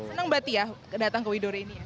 senang mbak tia datang ke widore ini ya